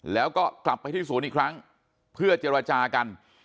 แล้วก็กลับไปที่ศูนย์อีกครั้งเพื่อเจรจากัน